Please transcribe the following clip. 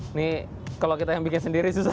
ini kalau kita yang bikin sendiri susah